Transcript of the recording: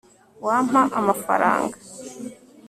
wampa amafaranga